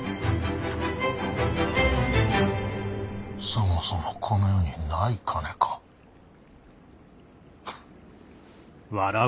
そもそもこの世にない金かフッ。